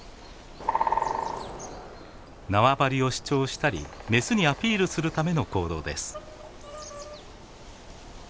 縄張りを主張したりメスにアピールするための行動です。